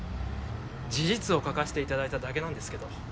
事実を書かせていただいただけなんですけど。